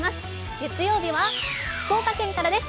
月曜日は福岡県からです。